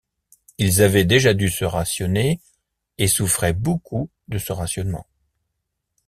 Ils avaient déjà dû se rationner, et souffraient beaucoup de ce rationnement.